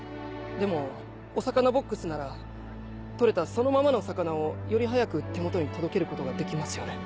でもお魚ボックスなら取れたそのままの魚をより早く手元に届けることができますよね。